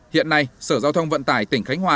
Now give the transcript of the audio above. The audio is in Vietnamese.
hiện nay sở giao thông vận tải tỉnh khánh hòa